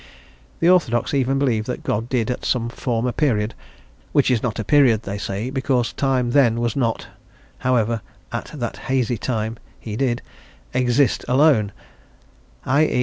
The orthodox even believe that God did, at some former period (which is not a period, they say, because time then was not however, at that hazy "time" he did), exist alone, _i e.